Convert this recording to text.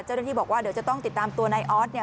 เจ้าหน้าที่บอกว่าเดี๋ยวจะต้องติดตามตัวนายออสเนี่ย